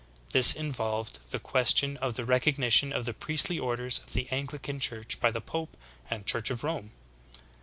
This involved the question of the recognition of the priestly orders of the Anglican Church by the pope and Church of Rome.